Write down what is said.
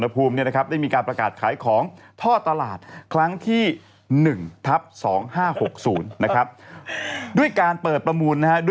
ภูเขากาศยัสทรวณพรุม